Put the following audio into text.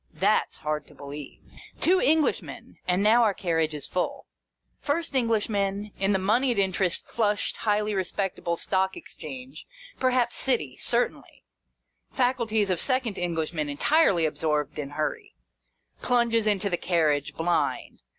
That 's hard to believe ! Two Englishmen, and now our carriage is full. First Englishman, in the monied interest — flushed — highly respectable — Stock Ex change, perhaps — City, certainly. Faculties of second Englishman entirely absorbed in hurry. Plunges into the carriage, blind.